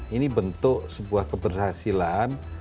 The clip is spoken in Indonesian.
ini bentuk sebuah keberhasilan